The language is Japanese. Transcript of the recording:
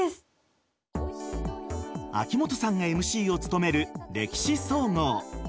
秋元さんがＭＣを務める「歴史総合」。